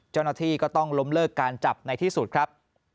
เจ้าหน้าที่ก็ต้องล้มเลิกการจับในที่สุดครับ